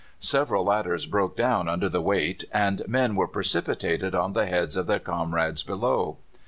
Several ladders broke down under the weight, and men were precipitated on the heads of their comrades below.